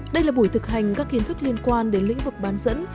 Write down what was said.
đây là buổi thực hành các kiến thức liên quan đến lĩnh vực bán dẫn